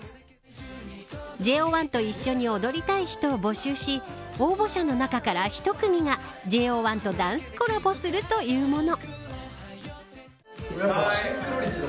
ＪＯ１と一緒に踊りたい人を募集し応募者の中から１組がＪＯ１とダンスコラボするというもの。